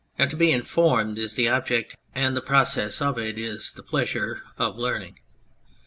Now, to be " informed " is the object, and the process of it is the pleasure, of learning.